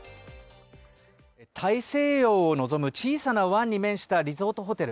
大西洋を望む小さな湾に面したリゾートホテル